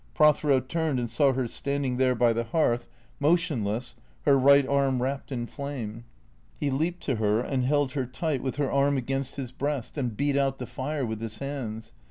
Prothero turned and saw her standing there by the hearth, motionless, her right arm wrapped in flame. Pie leaped to her, and held her tight with her arm against his breast, and beat out the fire with his hands.